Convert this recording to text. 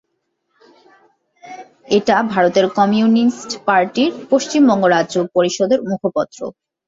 এটা ভারতের কমিউনিস্ট পার্টির পশ্চিমবঙ্গ রাজ্য পরিষদের মুখপত্র।